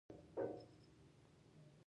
هو، زه استاد یم